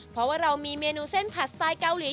เพราะว่าเรามีเมนูเส้นผัดสไตล์เกาหลี